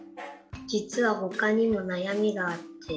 じつはほかにもなやみがあって。